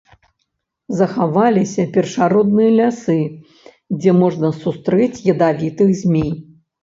Захаваліся першародныя лясы, дзе можна сустрэць ядавітых змей.